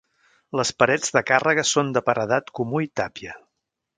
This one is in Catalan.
Les parets de càrrega són de paredat comú i tàpia.